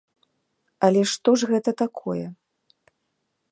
Але што ж гэта такое?